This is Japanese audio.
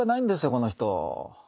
この人。